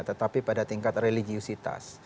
tetapi pada tingkat religiusitas